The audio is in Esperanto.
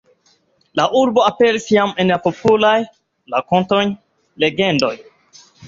La urbo aperis jam en popularaj rakontoj, legendoj.